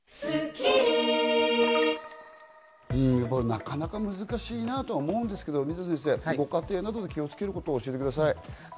なかなか難しいなと思うんですけど水野先生、ご家庭などで気を付けることを教えてください。